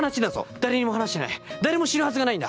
誰にも話してない誰も知るはずがないんだ。